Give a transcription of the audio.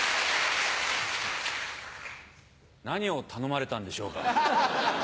何を頼まれたんでしょうか。